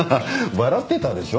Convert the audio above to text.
笑ってたでしょ？